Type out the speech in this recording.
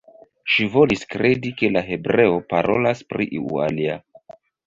Ŝi volis kredi, ke la hebreo parolas pri iu alia.